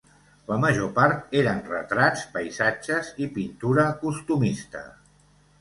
La major part eren retrats, paisatges i pintura costumista.